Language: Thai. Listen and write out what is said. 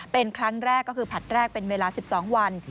เป็นครั้งแรกก็คือผลัดแรกเป็นเวลา๑๒วัน